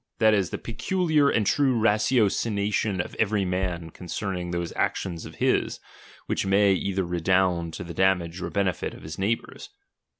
that is, the peculiar and true ratiocination of every utan ootiwrning those actions of his, which may either redound 10 the dantajFf or benefit of his neighbours.